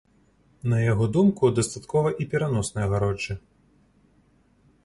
На яго думку, дастаткова і пераноснай агароджы.